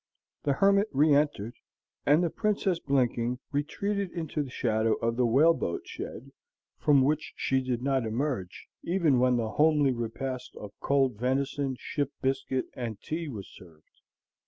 The hermit re entered, and the Princess, blinking, retreated into the shadow of the whale boat shed, from which she did not emerge even when the homely repast of cold venison, ship biscuit, and tea was served.